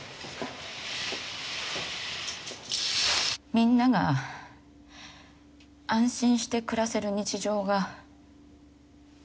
みんなが安心して暮らせる日常がなくなるの。